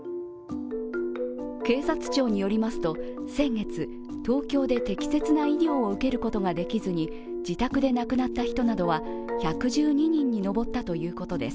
警察庁によりますと先月、東京で適切な医療を受けることができずに自宅で亡くなった人などは、１１２人に上ったということです。